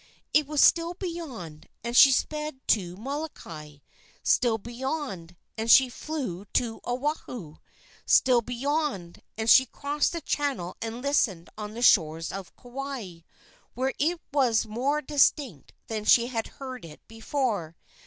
It was still beyond, and she sped to Molokai; still beyond, and she flew to Oahu; still beyond, and she crossed the channel and listened on the shores of Kauai, where it was more distinct than she had heard it before.